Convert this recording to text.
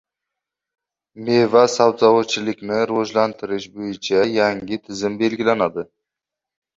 Meva-sabzavotchilikni rivojlantirish bo‘yicha yangi tizim belgilandi